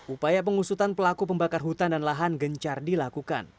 upaya pengusutan pelaku pembakar hutan dan lahan gencar dilakukan